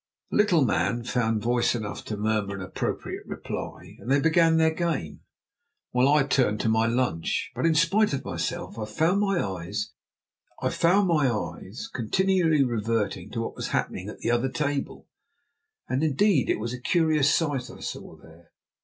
The little man found voice enough to murmur an appropriate reply, and they began their game, while I turned to my lunch. But, in spite of myself, I found my eyes continually reverting to what was happening at the other table. And, indeed, it was a curious sight I saw there.